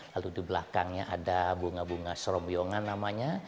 lalu di belakangnya ada bunga bunga serom yongan namanya